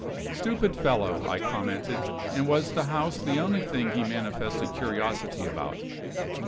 "Stupid fellow!" I commented. "And was the house the only thing he manifested curiosity about?"